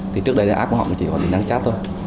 thì trước đây app của họ chỉ có tính năng chat thôi